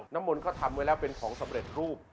มนต์เขาทำไว้แล้วเป็นของสำเร็จรูป